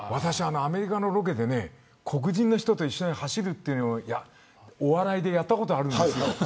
アメリカのロケで黒人の人と一緒に走るのをお笑いでやったことあるんです。